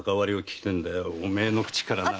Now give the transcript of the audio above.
おめえの口からな！